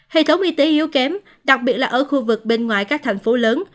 hệ thống y tế yếu kém đặc biệt là ở khu vực bên ngoài các thành phố lớn